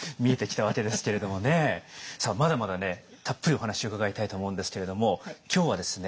さあまだまだねたっぷりお話伺いたいと思うんですけれども今日はですね